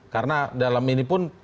karena dalam ini pun